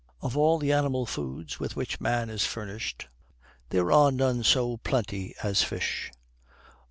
Of all the animal foods with which man is furnished, there are none so plenty as fish.